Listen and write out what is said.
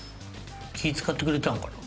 気ぃ使ってくれたのかな。